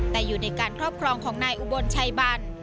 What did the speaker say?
แต่อยู่ในการครอบครองของนายอุบลชัยบัน